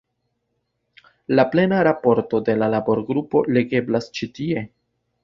La plena raporto de la laborgrupo legeblas ĉi tie.